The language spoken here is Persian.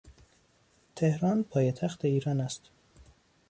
تهران پایتخت ایران است.